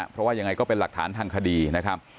เพราะว่ายังไงก็เป็นหลักฐานทางคดีนะครับ